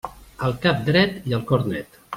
El cap dret i el cor net.